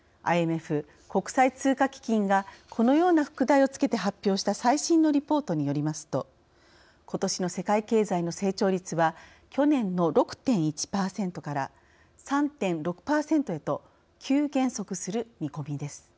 ＩＭＦ＝国際通貨基金がこのような副題を付けて発表した最新のリポートによりますとことしの世界経済の成長率は去年の６．１％から３．６％へと急減速する見込みです。